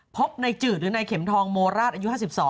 พบในจืดหรือนายเข็มทองโมราชอายุ๕๒